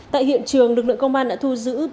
tại hiện trường lực lượng công an đã thu giữ